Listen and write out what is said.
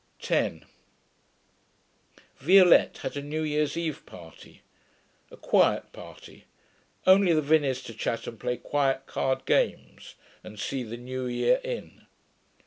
10 Violette had a new year's eve party. A quiet party; only the Vinneys to chat and play quiet card games and see the new year in.